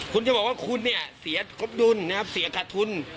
คุณจะบอกว่าคุณเนี่ยเสียครบดุลนะครับเสียขาดทุน